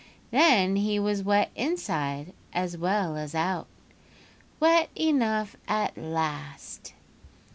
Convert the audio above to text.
Then he was wet inside as well as out—wet enough at last.